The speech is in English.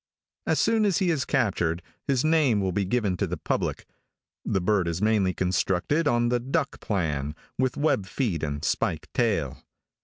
As soon as he is captured, his name will be given to the public. The bird is mainly constructed on the duck plan, with web feet and spike tail.